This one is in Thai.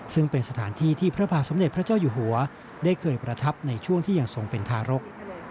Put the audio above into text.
ซึ่งเป็นสถานที่ที่พระบาทสมเด็จพระเจ้าอยู่หัวได้เคยประทับในช่วงที่ยังทรงเป็นทารก